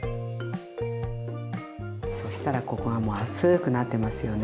そしたらここがもう熱くなってますよね。